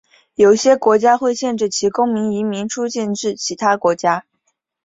有些国家会限制其公民移民出境至其他国家。